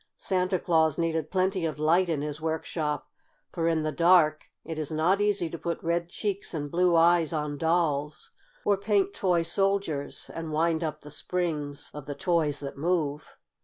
Santa Claus needed plenty of light in his workshop, for in the dark it is not easy to put red cheeks and blue eyes on dolls, or paint toy soldiers and wind up the springs of the toys that move.